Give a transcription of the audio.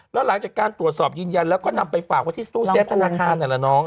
แล้วหลังจากการตรวจสอบยืนยันแล้วก็นำไปฝากว่าที่สู้เซ็นต์คุณคุณค่ะไหนล่ะน้อง